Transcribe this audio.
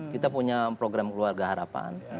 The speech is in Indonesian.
kita punya program keluarga harapan